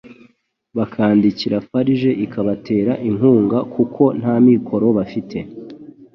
bakandikira FARG ikabatera inkunga kuko ntamikoro bafite